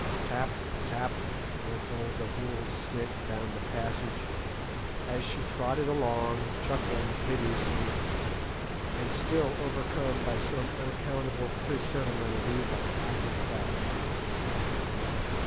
Tap, tap, went old Gagool's stick down the passage, as she trotted along, chuckling hideously; and still overcome by some unaccountable presentiment of evil, I hung back.